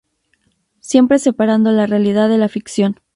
Siempre separando la realidad de la ficción.